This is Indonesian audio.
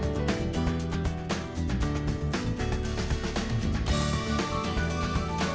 banyak perubahannya sih ya